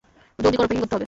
জলদি করো, প্যাকিং করতে হবে।